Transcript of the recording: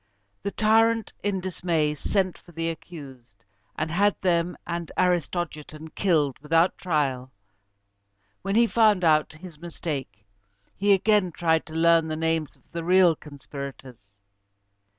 The tyrant, in dismay, sent for the accused, and had them and Aristogiton killed without trial. When he found out his mistake, he again tried to learn the names of the real conspirators.